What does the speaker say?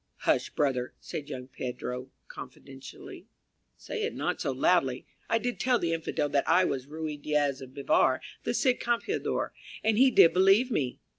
"Hush, brother," said young Pedro, confidentially, "say it not so loudly. I did tell the Infidel that I was Ruy Diaz of Bivar, the Cid Campeador and he did believe me."